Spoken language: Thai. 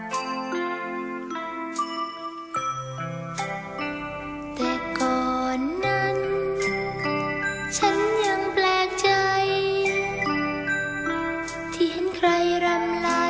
ได้เล่นดนตรีต่อก่อนอ่ะวันนี้ต้องการร้องให้เขาค่อยเยี่ยมนะครับ